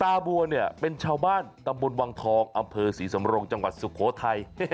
บัวเนี่ยเป็นชาวบ้านตำบลวังทองอำเภอศรีสำรงจังหวัดสุโขทัย